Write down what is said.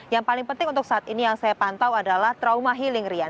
yang paling penting untuk saat ini yang saya pantau adalah trauma healing rian